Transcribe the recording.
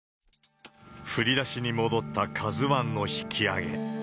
振り出しに戻ったＫＡＺＵＩの引き揚げ。